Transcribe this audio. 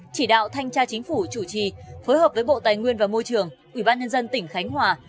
chỉ đạo thanh tra chính phủ chủ trì phối hợp với bộ tài nguyên và môi trường ủy ban nhân dân tỉnh khánh hòa